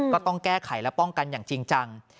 ก็ต้องแก้ไขและป้องกันอย่างจริงจัง